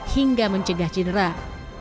hingga mencegah ciriak